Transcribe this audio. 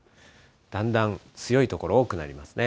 だんだん強い所多くなりますね。